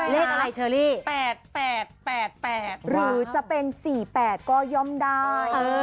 เลขอะไรเชอรี่๘๘หรือจะเป็น๔๘ก็ย่อมได้